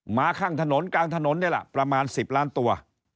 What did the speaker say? มาข้างถนนกลางถนนนี่แหละประมาณ๑๐ล้านตัว